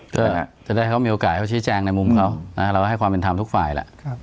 เพื่อจะได้เขามีโอกาสเขาชี้แจงในมุมเขานะเราก็ให้ความเป็นธรรมทุกฝ่ายแหละ